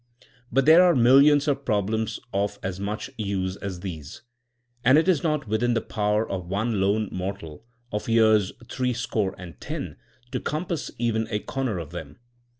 But there are millions of problems of as much use as these ; and it is not within the power of one lone mor tal, of years three score and ten, to compass even a comer of them.